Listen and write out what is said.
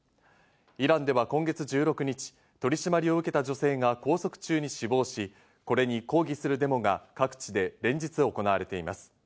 イランでは今月１６日、取り締まりを受けた女性が拘束中に死亡し、これに抗議するデモが各地で連日行われています。